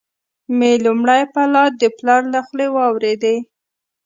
مي لومړی پلا د پلار له خولې واروېدې،